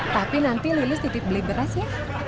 tapi nanti lulus titip beli beras ya